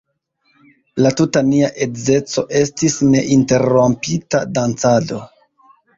La tuta nia edzeco estis neinterrompita dancado.